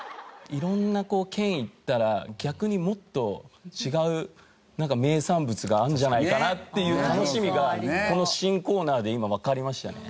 色んな県行ったら逆にもっと違う名産物があるんじゃないかなっていう楽しみがこの新コーナーで今わかりましたよね。